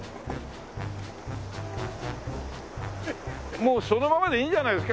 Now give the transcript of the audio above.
もうそのままでいいんじゃないですか？